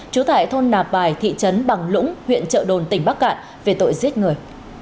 chú thải thôn nạp bài thị trấn bằng lũng huyện chợ đồn tỉnh bắc cạn về tội giết người